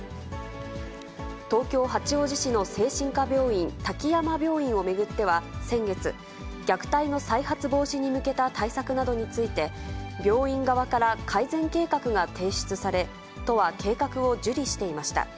東京・八王子市の精神科病院、滝山病院を巡っては先月、虐待の再発防止に向けた対策などについて、病院側から改善計画が提出され、都は計画を受理していました。